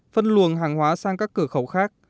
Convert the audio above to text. phân luồng hàng hóa sang các cửa khẩu